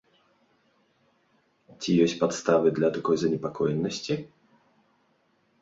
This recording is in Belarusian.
Ці ёсць падставы для такой занепакоенасці?